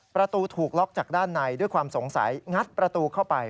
ประตูถูกล็อกจากด้านในด้วยความสงสัยงัดประตูเข้าไป